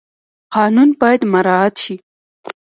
قانون باید مراعات شي